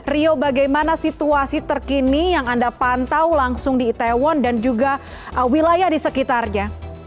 rio bagaimana situasi terkini yang anda pantau langsung di itaewon dan juga wilayah di sekitarnya